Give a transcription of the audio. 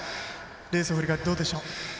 レースを振り返ってどうでしょう。